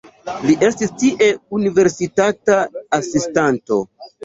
Li estis tie universitata asistanto.